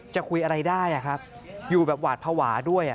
จะคุยอะไรได้ครับอยู่แบบหวาดภาวะด้วย